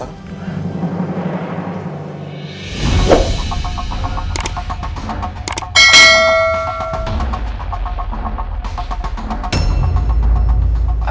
gak ada elsa